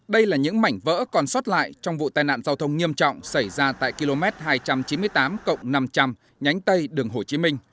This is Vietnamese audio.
đây là những mảnh vỡ còn sót lại trong vụ tai nạn giao thông nghiêm trọng xảy ra tại km hai trăm chín mươi tám cộng năm trăm linh nhánh tây đường hồ chí minh